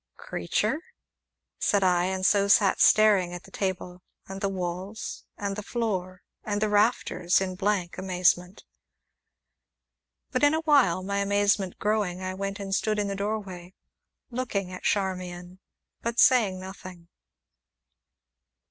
"Creature?" said I, and so sat staring at the table, and the walls, and the floor, and the rafters in a blank amazement. But in a while, my amazement growing, I went and stood in the doorway, looking at Charmian, but saying nothing.